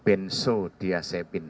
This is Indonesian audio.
sobat indonesia yang kemarin ets